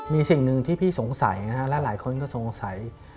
มีสิ่งหนึ่งที่พี่สงสัยและหลายคนก็สงสัย